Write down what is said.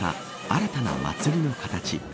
新たな祭りの形。